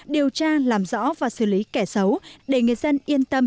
điều tra làm rõ và xử lý kẻ xấu để người dân yên tâm